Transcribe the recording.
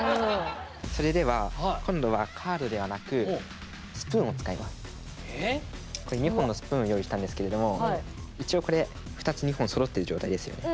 それでは今度はここに２本のスプーンを用意したんですけれども一応これ２つ２本そろってる状態ですよね。